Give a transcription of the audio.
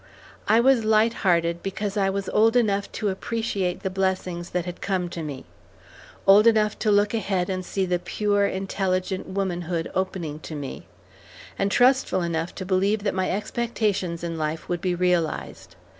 I was light hearted because I was old enough to appreciate the blessings that had come to me; old enough to look ahead and see the pure, intelligent womanhood opening to me; and trustful enough to believe that my expectations in life would be realized.